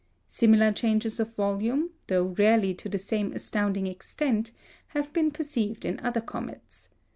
Similar changes of volume, though rarely to the same astounding extent, have been perceived in other comets.